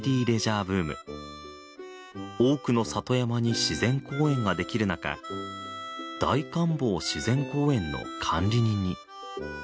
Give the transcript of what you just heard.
多くの里山に自然公園ができるなか大観峯自然公園の管理人に。